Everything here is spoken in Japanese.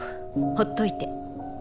ほっといて。